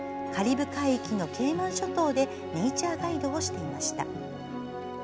カリブ海域のケイマン諸島でネイチャーガイドをしていました。